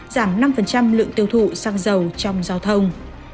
giảm năm lượng tiêu thụ xăng dầu trong giao thông